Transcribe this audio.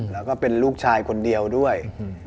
แล้วก็เป็นลูกชายคนเดียวด้วย